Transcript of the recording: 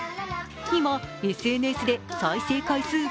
今、ＳＮＳで再生開催